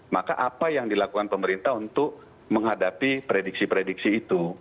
maka apa yang dilakukan pemerintah untuk menghadapi prediksi prediksi itu